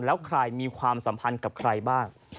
แล้วใครมีความสัมพันธ์กับใครบ้าง